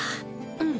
うん！